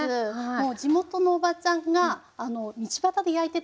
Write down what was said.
もう地元のおばちゃんが道端で焼いてた開いてたね